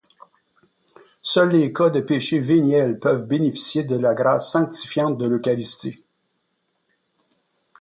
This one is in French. Seuls les cas de péchés véniels peuvent bénéficier de la grâce sanctifiante de l'eucharistie.